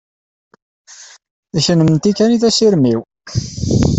D kennemti kan i d asirem-iw.